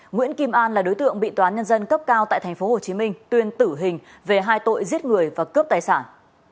nguyễn kim an là đối tượng bị tòa án nhân dân cấp cao tại tp hcm tuyên tử hình về hai tội giết người và cướp tài sản